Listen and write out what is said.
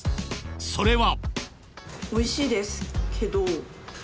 ［それは］